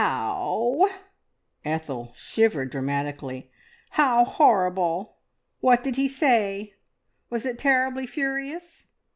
"Ow w ow!" Ethel shivered dramatically. "How horrible! What did he say? Was it terribly furious?"